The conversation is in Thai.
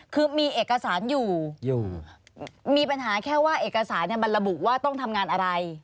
คือมีเอกสารอยู่อยู่มีปัญหาแค่ว่าเอกสารมันระบุว่าต้องทำงานอะไร